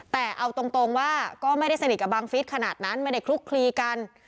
แต่เอาตรงว่าก็ไม่ได้สนิทกับบังฟิศขนาดนั้นไม่ได้คลุกคลีกัน